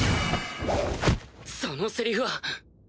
そのセリフは。